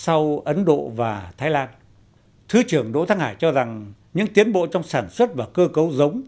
sau ấn độ và thái lan thứ trưởng đỗ thắng hải cho rằng những tiến bộ trong sản xuất và cơ cấu giống